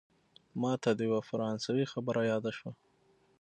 ماته د یوه فرانسوي خبره یاده شوه.